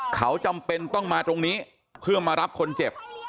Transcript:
เขาจำเป็นต้องมาตรงนี้เพื่อมารับคนเจ็บ